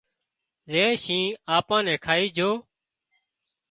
زي شينهن آپان نين کائي جھو